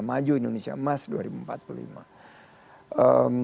maju indonesia emas dua ribu empat puluh lima